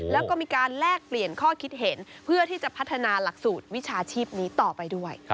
แล้วก็มีการแลกเปลี่ยนข้อคิดเห็นเพื่อที่จะพัฒนาหลักสูตรวิชาชีพนี้ต่อไปด้วย